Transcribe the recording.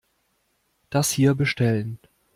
Das hier bestellen.